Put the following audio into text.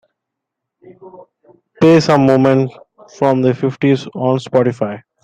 play some movement from the fifties on Spotify